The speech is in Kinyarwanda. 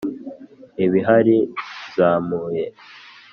ibihari nzamuye,